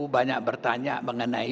banyak bertanya mengenai